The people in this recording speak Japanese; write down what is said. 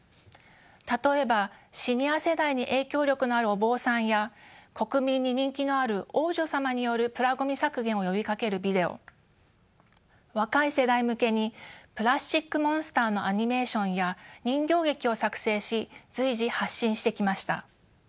例えばシニア世代に影響力のあるお坊さんや国民に人気のある王女様によるプラごみ削減を呼びかけるビデオ若い世代向けにプラスチックモンスターのアニメーションや人形劇を作成し随時発信してきました。